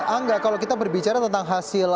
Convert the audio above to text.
angga kalau kita berbicara tentang hasil satu satu